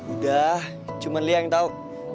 udah cuman lia yang tau